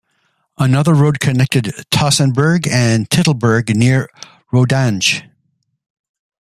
Another road connected Tossenberg to Titelberg near Rodange.